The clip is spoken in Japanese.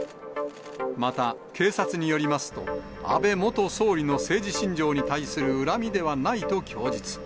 また警察によりますと、安倍元総理の政治信条に対する恨みではないと供述。